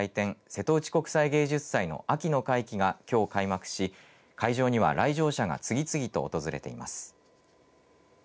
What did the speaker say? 瀬戸内国際芸術祭の秋の会期がきょう開幕し会場には来場者が次々と訪れています。